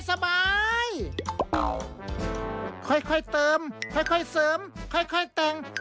ค่อยเติมค่อยเสริมค่อยแต่ง